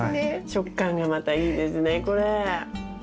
食感がまたいいですねこれ。